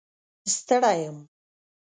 ستړی یم